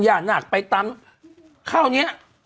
ย่านาคไปตามข้าวเนี่ย